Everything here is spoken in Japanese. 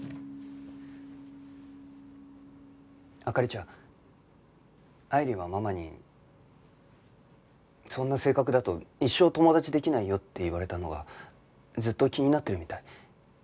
灯ちゃん愛理はママに「そんな性格だと一生友達できないよ」って言われたのがずっと気になってるみたい。